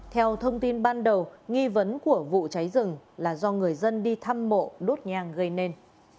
theo thông tin ban đầu nghi vấn của vụ cháy rừng là do người dân đi thăm mộ đốt nhang gây nên